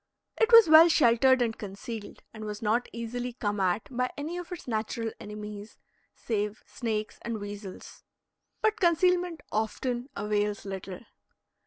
It was well sheltered and concealed, and was not easily come at by any of its natural enemies, save snakes and weasels. But concealment often avails little.